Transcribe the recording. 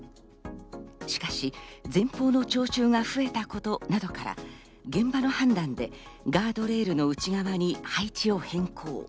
しかし、前方の聴衆が増えたことなどから現場の判断でガードレールの内側に配置を変更。